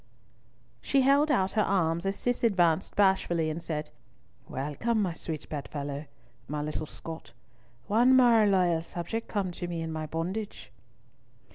She held out her arms as Cis advanced bashfully, and said: "Welcome, my sweet bed fellow, my little Scot—one more loyal subject come to me in my bondage."